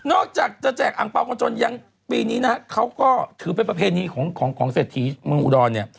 อกจากจะแจกอังเปล่าคนจนยังปีนี้นะฮะเขาก็ถือเป็นประเพณีของของเศรษฐีเมืองอุดรเนี่ย